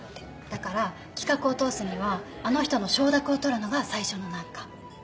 だから企画を通すにはあの人の承諾を取るのが最初の難関。